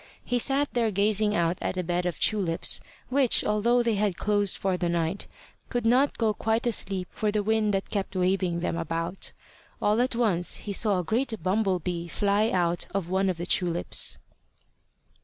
He sat there gazing out at a bed of tulips, which, although they had closed for the night, could not go quite asleep for the wind that kept waving them about. All at once he saw a great bumble bee fly out of one of the tulips.